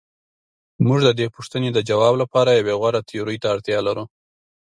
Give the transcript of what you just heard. موږ د دې پوښتنې د ځواب لپاره یوې غوره تیورۍ ته اړتیا لرو.